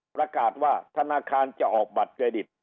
ประกาศว่าธนาคารจะออกบัตรเครดิต